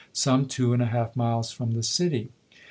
some two and a half miles from the city."